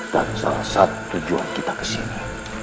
dan salah satu tujuan kita ke sini